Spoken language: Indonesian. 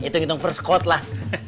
itu ngitung persekut lah